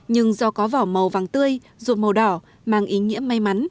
nhưng do có vỏ màu vàng tươi ruột màu đỏ mang ý nghĩa may mắn